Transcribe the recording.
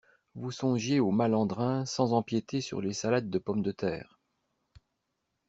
Vous songiez aux malandrins sans empiéter sur les salades de pommes de terre.